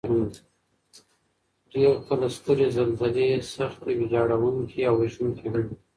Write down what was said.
ډېر کله سترې زلزلې سخت ویجاړونکي او وژونکي هم وي.